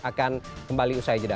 akan kembali usai jeda